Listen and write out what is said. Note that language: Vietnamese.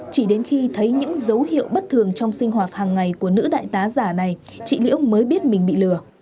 chỉ đến khi thấy những dấu hiệu bất thường trong sinh hoạt hàng ngày của nữ đại tá giả này chị liễu mới biết mình bị lừa